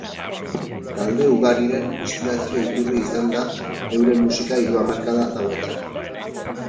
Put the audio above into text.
Talde ugariren inspirazio iturri izan da euren musika hiru hamarkada hauetan.